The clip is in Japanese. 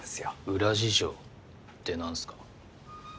裏事情って何すか？